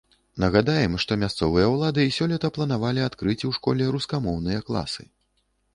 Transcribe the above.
Нагадаем, што мясцовыя ўлады сёлета планавалі адкрыць у школе рускамоўныя класы.